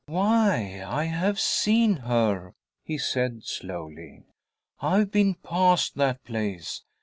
"Why, I've seen her," he said, slowly. "I've been past that place.